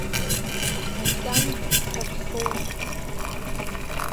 Акьанҷ ҭаԥсоуп.